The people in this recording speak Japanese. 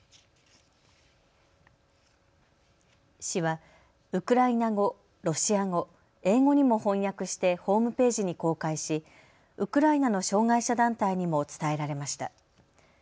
詩はウクライナ語、ロシア語、英語にも翻訳してホームページに公開しウクライナの障害者団体にも伝えられました。